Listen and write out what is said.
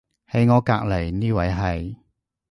喺我隔離呢位係